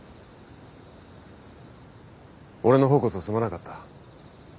俺の方こそすまなかった。